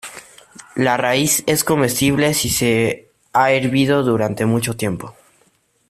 La raíz es comestible si se ha hervido durante mucho tiempo.